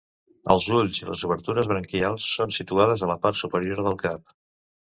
Els ulls i les obertures branquials són situats a la part superior del cap.